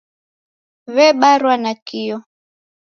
W'ebarwa nakio.